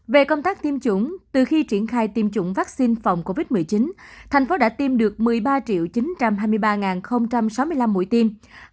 về công tác tiêm chủng từ khi triển khai tiêm chủng vaccine phòng covid một mươi chín thành phố đã tiêm được một mươi ba chín trăm hai mươi ba sáu mươi năm mũi tiêm